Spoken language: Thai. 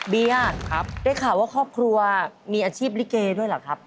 เดียได้ข่าวว่าครอบครัวมีอาชีพลิเกด้วยเหรอครับ